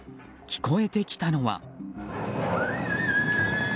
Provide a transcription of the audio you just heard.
聞こえてきたのは。